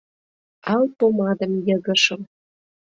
Ал помадым йыгышым